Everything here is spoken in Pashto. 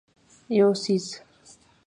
یو څیز